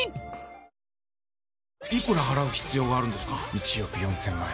１億４０００万円。